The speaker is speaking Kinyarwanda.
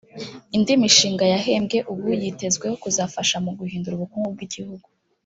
Indi mishinga yahembwe ubu yitezweho kuzafasha mu guhindura ubukungu bw’igihugu